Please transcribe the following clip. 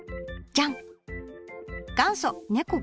じゃん！